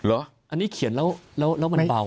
อันนี้เขียนแล้วมันเบา